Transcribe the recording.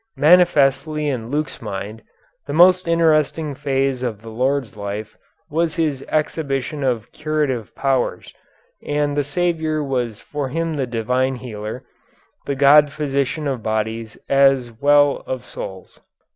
Manifestly in Luke's mind the most interesting phase of the Lord's life was His exhibition of curative powers, and the Saviour was for him the divine healer, the God physician of bodies as well as of souls.